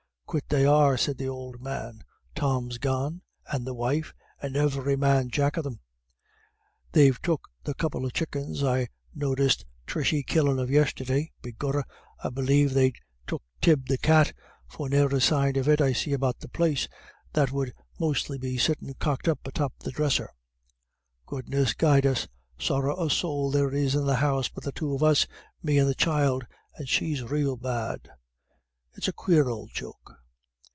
"Quit they are," said the old man. "Tom's gone, and the wife, and every man jack of them. They've took the couple of chuckens I noticed Tishy killin' of yisterday. Begorrah, I believe they've took Tib the cat, for ne'er a sign of it I see about the place, that would mostly be sittin' cocked up atop of the dresser. Goodness guide us, sorra a sowl there is in the house but the two of us, me and the child, and she's rael bad. It's a quare ould joke."